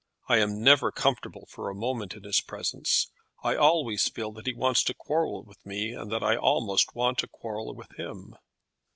I am never comfortable for a moment in his presence. I always feel that he wants to quarrel with me, and that I almost want to quarrel with him."